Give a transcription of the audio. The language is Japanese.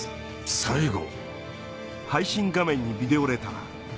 最後？